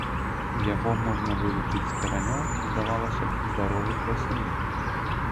Яго можна вылучыць з каранёў, здавалася б, здаровых раслін.